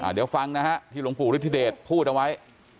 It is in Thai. เดี๋ยวฟังนะฮะที่หลวงปู่ฤทธิเดชพูดเอาไว้